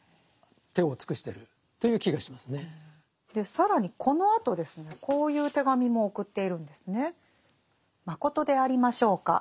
更にこのあとですねこういう手紙も送っているんですね。